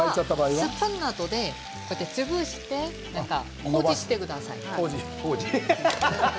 スプーンで潰して工事してください。